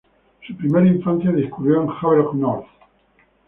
Su primera infancia discurrió en Havelock North.